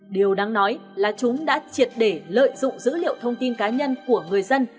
điều đáng nói là chúng đã triệt để lợi dụng dữ liệu thông tin cá nhân của người dân